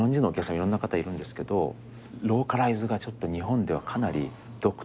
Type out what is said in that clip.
いろんな方いるんですけどローカライズがちょっと日本ではかなり独特な。